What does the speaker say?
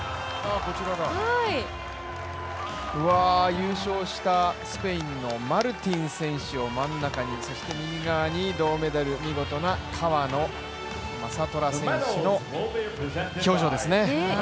優勝したスペインのマルティン選手を真ん中に、そして右側に銅メダル見事な川野将虎選手の表情ですね。